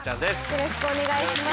よろしくお願いします。